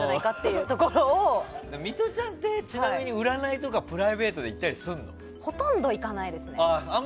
ミトちゃんってちなみに占いとかプライベートでほとんど行かないです。